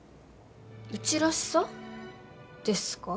うちらしさですか？